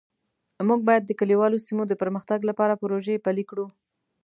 موږ باید د کلیوالو سیمو د پرمختګ لپاره پروژې پلي کړو